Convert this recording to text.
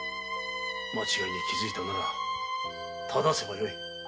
間違いに気づいたなら正せばよい。